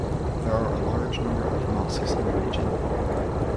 There are a large number of mosques in the region.